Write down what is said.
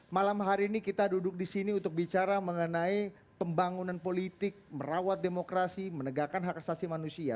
malam hari ini kita duduk di sini untuk bicara mengenai pembangunan politik merawat demokrasi menegakkan hak asasi manusia